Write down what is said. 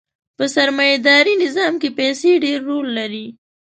په سرمایه داري نظام کښې پیسې ډېر رول لري.